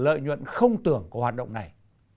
lợi nhuận không tưởng của hoạt động này